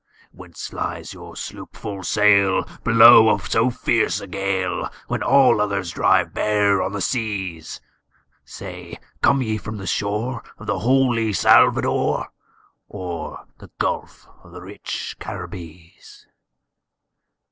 "Whence flies your sloop full sail before so fierce a gale, When all others drive bare on the seas? Say, come ye from the shore of the holy Salvador, Or the gulf of the rich Caribbees?"